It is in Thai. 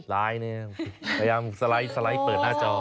ไลน์เนี่ยพยายามสไลด์เปิดหน้าจอ